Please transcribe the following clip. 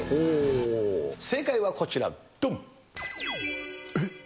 正解はこちら、どん。